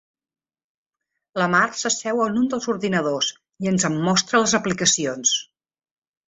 La Mar s'asseu en un dels ordinadors i ens en mostra les aplicacions.